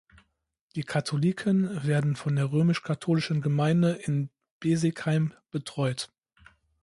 Die Katholiken werden von der römisch-katholischen Gemeinde in Besigheim betreut.